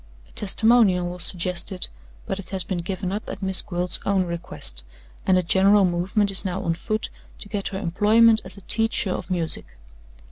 A testimonial was suggested; but it has been given up at Miss Gwilt's own request, and a general movement is now on foot to get her employment as a teacher of music.